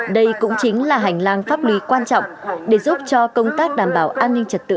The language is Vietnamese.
đây cũng chính là hành lang pháp lý quan trọng để giúp cho công tác đảm bảo an ninh trật tự